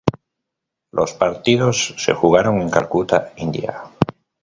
Los partidos se jugaron en Calcuta, India.